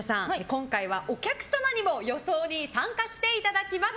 今回はお客様にも予想に参加していただきます。